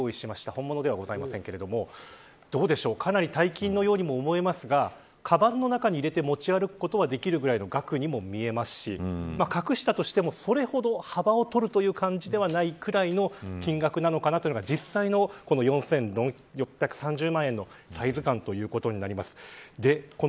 本物ではございませんけれどもかなり大金のようにも思えますがかばんの中に入れて持ち歩くことができるぐらいの額にも見えますし隠したとしても、それほど幅を取る感じではないぐらいの金額なのかなというのが実際の４６３０万円のサイズ感となります。